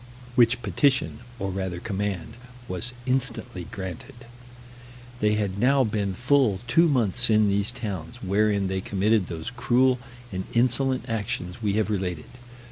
Which petition, or rather command, was instantly granted. They had now been full two months in these towns, wherein they committed those cruel and insolent actions we have related.